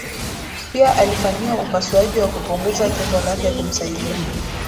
Pia alifanyiwa upasuaji wa kupunguza tumbo lake kumsadia